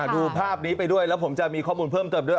ดูภาพนี้ไปด้วยแล้วผมจะมีข้อมูลเพิ่มเติมด้วย